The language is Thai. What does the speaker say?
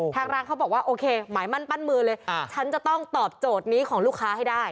ทางร้านเขาบอกว่าโอเคหมายมั่นปั้นมือเลยฉันจะต้องตอบโจทย์นี้ของลูกค้าให้ได้